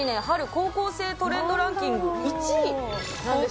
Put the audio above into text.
高校生トレンドランキング。